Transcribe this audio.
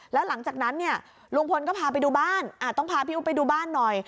แล้วหลังจากนั้นเนี่ยลุงพลก็พาไปดูบ้านต้องพาพี่อุ๊บไปดูบ้านหน่อย